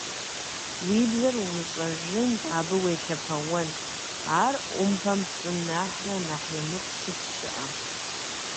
Уи бзэр умыщӏэжын, абы уелъэпэуэн, ар ӏумпэм пщӏын нэхърэ нэхъ емыкӏу сыт щыӏэ!